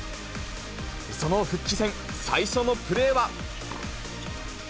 その復帰戦、最初のプレーは。